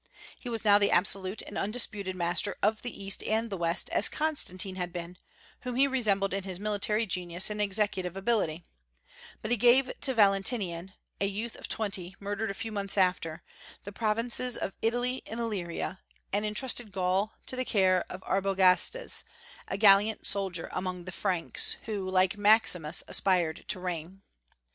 He was now the absolute and undisputed master of the East and the West, as Constantine had been, whom he resembled in his military genius and executive ability; but he gave to Valentinian (a youth of twenty, murdered a few months after) the provinces of Italy and Illyria, and intrusted Gaul to the care of Arbogastes, a gallant soldier among the Franks, who, like Maximus, aspired to reign.